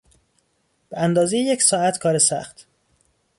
به اندازهی یک ساعت کار سخت